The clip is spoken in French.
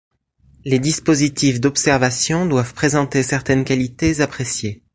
Les dispositifs d'observation doivent présenter certaines qualités appréciées.